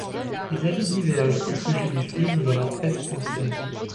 Les avis divergent au sujet du film dans la presse française.